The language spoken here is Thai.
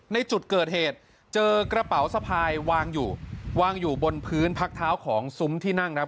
ในจุดเกิดเหตุเจอกระเป๋าสะพายวางอยู่วางอยู่บนพื้นพักเท้าของซุ้มที่นั่งครับ